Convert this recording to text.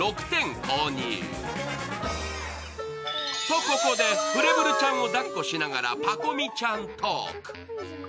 と、ここでフレブルちゃんを抱っこしながらパコ美ちゃんトーク。